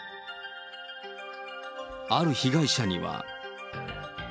ある被害者には。